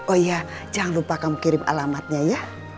oh ya jangan lupa kamu kirim alamatnya ya